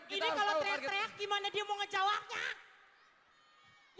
gini kalau teriak teriak gimana dia mau ngejawabnya